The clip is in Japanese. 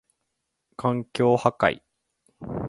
環境破壊